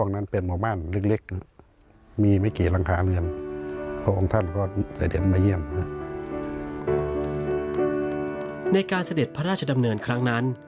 เสด็จพระราชดำเนินครั้งนั้น